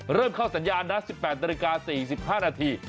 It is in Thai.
เริ่มเข้าสัญญาณนะ๑๘ตร๔๕นาที